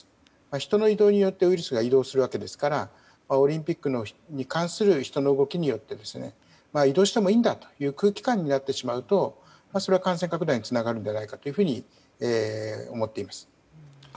人の移動によってウイルスが移動するわけですからオリンピックに関する人の動きによって移動してもいいんだという空気感になってしまうとそれは感染拡大につながるんじゃないかと思っています。